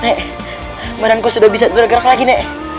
eh badanku sudah bisa bergerak lagi nek